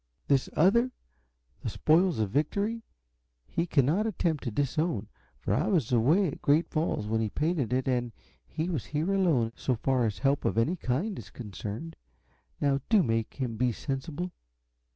This other 'The Spoils of Victory' he cannot attempt to disown, for I was away at Great Falls when he painted it, and he was here alone, so far as help of any kind is concerned. Now do make him be sensible!"